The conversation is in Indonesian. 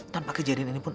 tanpa kejadian ini pun